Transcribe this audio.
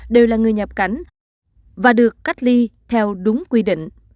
đều là người nhập cảnh và được cách ly theo đúng quy định